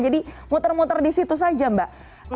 jadi muter muter di situ saja mbak